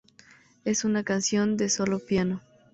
Es una canción de solo piano.